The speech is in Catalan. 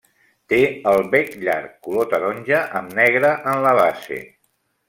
Té el bec llarg, color taronja amb negre en la base.